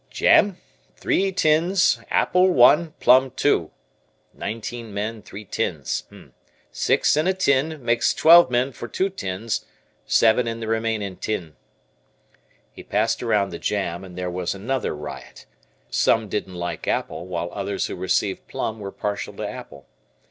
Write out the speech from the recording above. "Jam, three tins apple one, plum two. Nineteen men, three tins. Six in a tin, makes twelve men for two tins, seven in the remaining tin." He passed around the jam, and there was another riot. Some didn't like apple, while others who received plum were partial to apple.